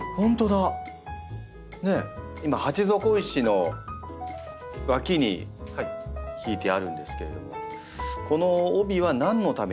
今鉢底石の脇に敷いてあるんですけれどもこの帯は何のためにあるんですか？